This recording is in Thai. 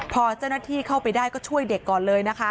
พอเจ้าหน้าที่เข้าไปได้ก็ช่วยเด็กก่อนเลยนะคะ